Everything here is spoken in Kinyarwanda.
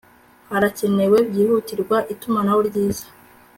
harakenewe byihutirwa itumanaho ryiza